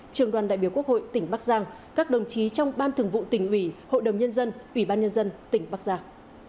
trường đoàn đại biểu quốc hội tỉnh bắc giang các đồng chí trong ban thường vụ tỉnh ủy hội đồng nhân dân ủy ban nhân dân tỉnh bắc giang